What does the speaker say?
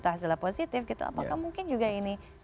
hasilnya positif gitu apakah mungkin juga ini